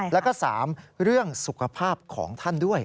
แล้วก็๓เรื่องสุขภาพของท่านด้วย